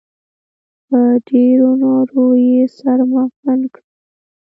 په ډېرو نارو يې سر مغزن کړم.